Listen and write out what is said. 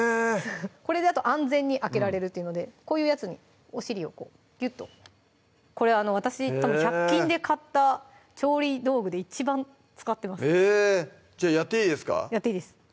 これだと安全に開けられるというのでこういうやつにお尻をこうギュッとこれ私たぶん１００均で買った調理道具で一番使ってますえっじゃあやっていいですか？